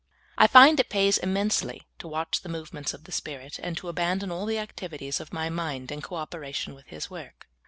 I find it pa3^s immensely to watch the movements of the Spirit, and to abandon all the activities of my mind in co operation wdth His work.